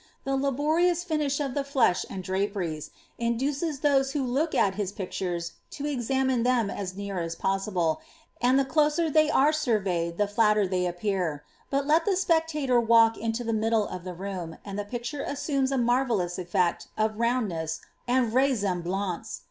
The laborious finish of the flesh and dnperies, indoeei those who look at his pictures to examine them as near as possible, and the closer they are surveyed the flatter they appear ; but let the spectator walk into the middle of the room, and the picture assumes a marrelloQS effect of roundness, and vraisemblance.